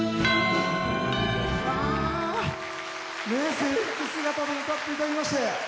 制服姿で歌っていただきまして。